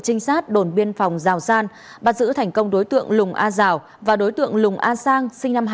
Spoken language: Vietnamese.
trinh sát đồn biên phòng giào san bắt giữ thành công đối tượng lùng a giào và đối tượng lùng a sang